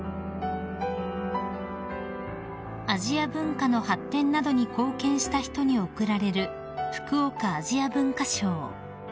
［アジア文化の発展などに貢献した人に贈られる福岡アジア文化賞］